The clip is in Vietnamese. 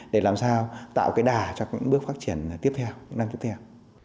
để làm sao tạo cái đà cho những bước phát triển tiếp theo năm tiếp theo